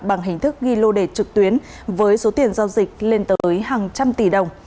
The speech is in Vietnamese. bằng hình thức ghi lô đề trực tuyến với số tiền giao dịch lên tới hàng trăm tỷ đồng